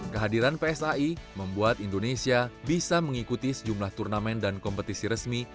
kehadiran psai membuat indonesia bisa mengikuti sejumlah turnamen dan kompetisi resmi